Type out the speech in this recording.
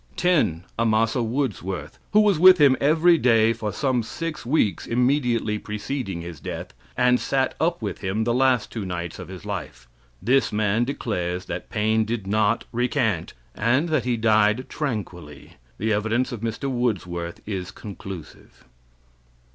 10. Amasa Woodsworth, who was with him every day for some six weeks immediately preceding his death, and sat up with him the last two nights of his life. This man declares that Paine did not recant, and that he died tranquilly. The evidence of Mr. Woodsworth is conclusive.